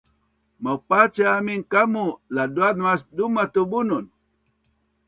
maupaa cia amin kamu laduaz mas duma tu bunun